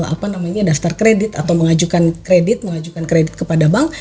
apa namanya daftar kredit atau mengajukan kredit mengajukan kredit kepada bank